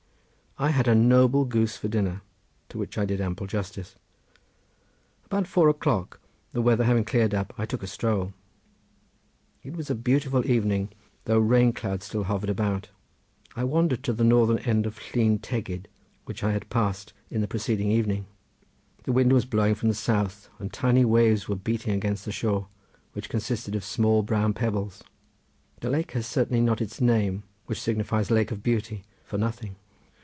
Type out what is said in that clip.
I had a noble goose for dinner to which I did ample justice. About four o'clock the weather having cleared up I took a stroll. It was a beautiful evening, though rain clouds still hovered about. I wandered to the northern end of Llyn Tegid which I had passed in the preceding evening. The wind was blowing from the south, and tiny waves were beating against the shore which consisted of small brown pebbles. The lake has certainly not its name, which signifies Lake of Beauty, for nothing.